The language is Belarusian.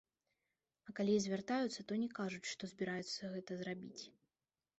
А калі і звяртаюцца, то не кажуць, што збіраюцца гэта зрабіць.